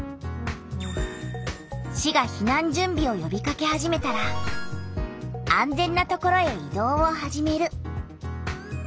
市が避難準備をよびかけ始めたら「安全な所へ移動を始める」。